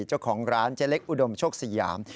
เจ้าของร้านเจ๊เล็กอุดมโชคสยาม